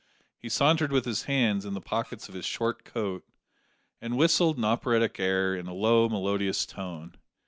He sauntered with his hands in the pockets of his short coat, and whistled an operatic air in a low melodious tone.